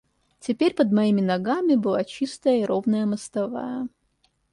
Теперь под моими ногами была чистая и ровная мостовая.